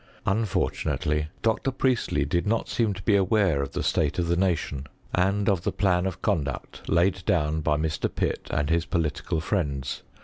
Unfor tunately, Dr. Priestley did not seem to be aware of the state of the nation, and of the plan of conduct ■ oft laid down by Mr, Pilt and liis political friends